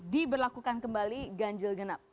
diberlakukan kembali ganjil genap